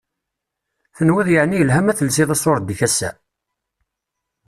Tenwiḍ yeεni yelha ma telsiḍ asured-ik assa?